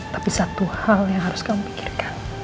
tapi satu hal yang harus kamu pikirkan